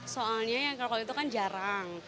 soalnya yang charcoal itu kan jarang